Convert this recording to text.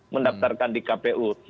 mendaftarkan di kpu